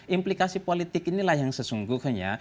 implikasi politik inilah yang sesungguhnya